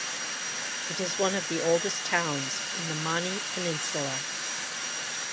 It is one of the oldest towns in the Mani Peninsula.